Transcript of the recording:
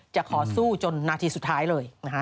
จะขอสู้จนนาทีสุดท้ายเลย